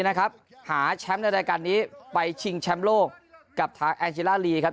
นะครับหาแชมป์ในรายการนี้ไปชิงแชมป์โลกกับทางแอนชิล่าลีครับ